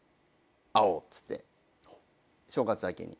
っつって正月明けに。